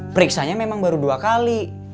periksanya memang baru dua kali